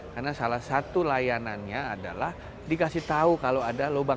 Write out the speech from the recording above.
karena salah satu layanannya adalah dikasih tahu kalau ada lubang